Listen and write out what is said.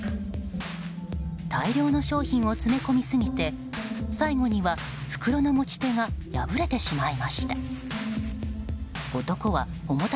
大量の商品を詰め込みすぎて最後には袋の持ち手が破れてしまいました。